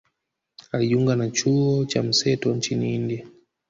Alijiunga na chuo cha mseto nchini India